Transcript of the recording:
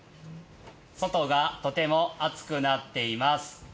外がとても暑くなっています。